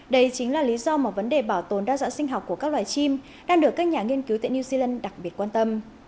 đây chính là lý do mà vấn đề bảo tồn đa dạng sinh học của các loài chim đang được các nhà nghiên cứu tại new zealand đặc biệt quan tâm